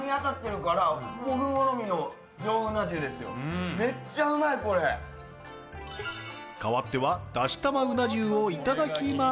かわってはだし玉うな重をいただきます。